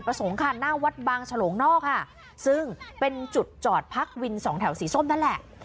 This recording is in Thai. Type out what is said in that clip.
คันหน้าวัดบางฉลงนอกค่ะซึ่งเป็นจุดจอดพักวินสองแถวสีส้มนั่นแหละ